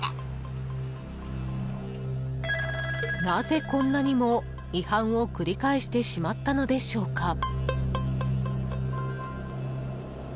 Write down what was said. なぜ、こんなにも違反を繰り返してしまったのでしょうか。